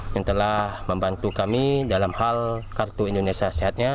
yang telah membantu kami dalam hal kartu indonesia sehatnya